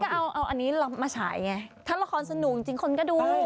ก็เอาอันนี้มาฉายไงถ้าละครสนุกจริงคนก็ดู